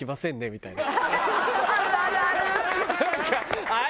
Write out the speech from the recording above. みたいなね。